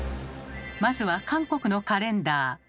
まずは韓国のカレンダー。